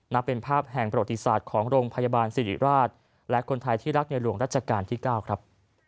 นับเป็นภาพแห่งประวัติศาสตร์ของโรงพยาบาลสิริราชและคนไทยที่รักในหลวงรัชกาลที่๙ครับ